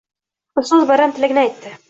Ustoz bayram tilagini aytdi.